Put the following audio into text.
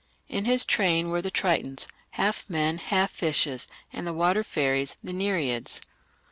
In his train were the Tritons, half men, half fishes, and the water fairies, the Nereids.